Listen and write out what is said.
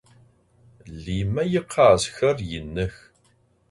Lime yikhazxer yinıx.